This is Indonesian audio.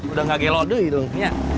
udah gak gelo doi dong